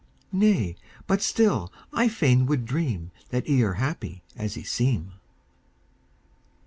Nay but still I fain would dream That ye are happy as ye seem.